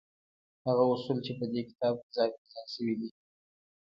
هغه اصول چې په دې کتاب کې ځای پر ځای شوي دي.